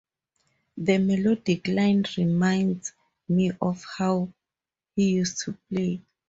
The melodic line reminds me of how he used to play.